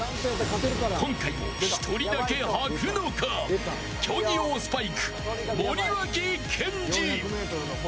今回１人だけ履くのか競技用スパイク、森脇健児。